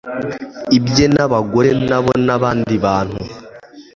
ibye n abagore na bo n abandi bantu